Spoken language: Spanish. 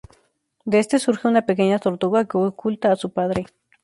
De este surge una pequeña tortuga que oculta a su padre.